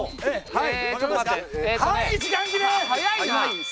はい。